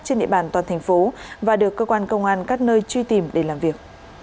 trên địa bàn toàn thành phố và được cơ quan công an các nơi truy tìm để làm việc